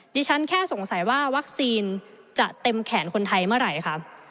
ดิฉันแค่สงสัยว่าวัคซีนจะเต็มแขนคนไทยเมื่อไหร่ค่ะ